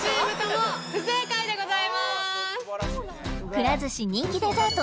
くら寿司人気デザート